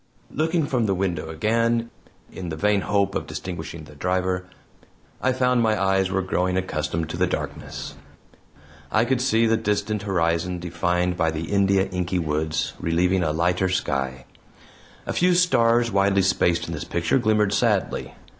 Looking from the window again, in the vain hope of distinguishing the driver, I found my eyes were growing accustomed to the darkness. I could see the distant horizon, defined by India inky woods, relieving a lighter sky. A few stars widely spaced in this picture glimmered sadly.